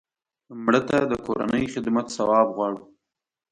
مړه ته د کورنۍ خدمت ثواب غواړو